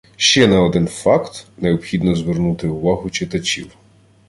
Ще на один факт необхідно звернути увагу читачів